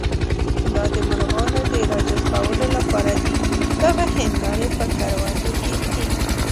دا د مرغانو د راجذبولو لپاره دي، دغه هندارې په کروندو کې ږدي.